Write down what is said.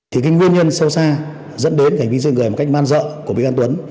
thì cái nguyên nhân sâu xa dẫn đến hành vi giết người một cách man dợ của bị can tuấn